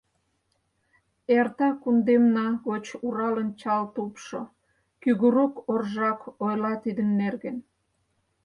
Эрта кундемна гоч Уралын чал тупшо, Кӱгурык оржак ойла тидын нерген.